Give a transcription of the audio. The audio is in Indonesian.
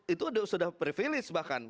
itu sudah privilege bahkan